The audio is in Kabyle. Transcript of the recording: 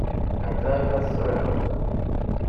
Anta i la tettṛaǧum?